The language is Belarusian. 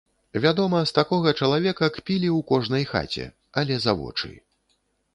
Вядома, з такога чалавека кпілі ў кожнай хаце, але за вочы.